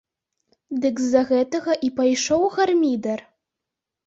Дык з-за гэтага і пайшоў гармідар.